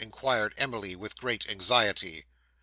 inquired Emily, with great anxiety.